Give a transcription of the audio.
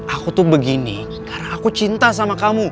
aku tuh begini karena aku cinta sama kamu